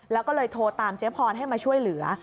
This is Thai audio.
แล้วก็เลยโทรตามเจ๊พรให้มาช่วยเหลือ